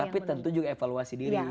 tapi tentu juga evaluasi diri